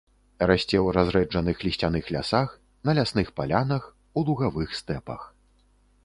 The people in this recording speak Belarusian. Расце ў разрэджаных лісцяных лясах, на лясных палянах, у лугавых стэпах.